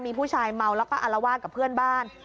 มีผู้ชายเมาแล้วก็อารวาสกับเพื่อนบ้าน